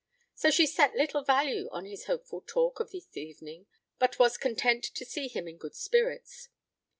So she set little value on his hopeful talk of this evening, but was content to see him in good spirits.